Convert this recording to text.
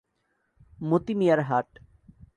মতি মিয়ার হাট।